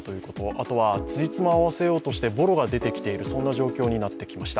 あとはつじつまを合わせようとして、ぼろが出てきている、そんな状況になってきました。